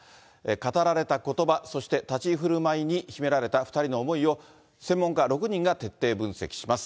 語られたことば、そして立ち居ふるまいに秘められた２人の思いを、専門家６人が徹底分析します。